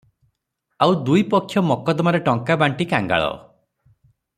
ଆଉ ଦୁଇ ପକ୍ଷ ମକଦ୍ଦମାରେ ଟଙ୍କା ବାଣ୍ଟି କାଙ୍ଗାଳ ।